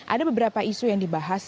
ada beberapa isu yang dibahas